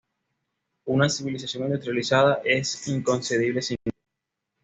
Una civilización industrializada es inconcebible sin ella.